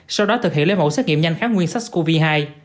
sau đó thực hiện lấy mẫu xét nghiệm nhanh kháng nguyên sách covid hai